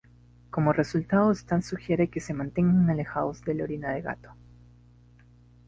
Como resultado, Stan sugiere que se mantengan alejados de la orina de gato.